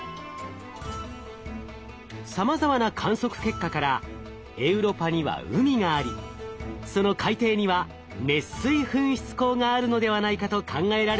さまざまな観測結果からエウロパには海がありその海底には熱水噴出孔があるのではないかと考えられています。